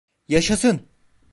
Yaşasın!